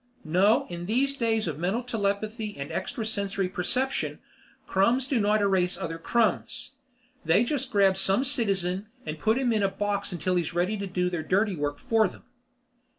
No, in these days of mental telepathy and extra sensory perception, crumbs do not erase other crumbs. They just grab some citizen and put him in a box until he is ready to do their dirty work for them.